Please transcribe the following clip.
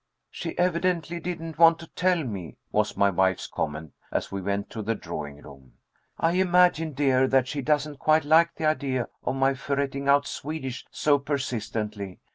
"She evidently didn't want to tell me," was my wife's comment, as we went to the drawing room. "I imagine, dear, that she doesn't quite like the idea of my ferreting out Swedish so persistently.